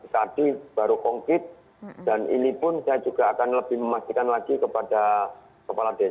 tadi baru konkret dan ini pun saya juga akan lebih memastikan lagi kepada kepala desa